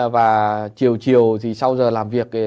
và chiều chiều thì sau giờ làm việc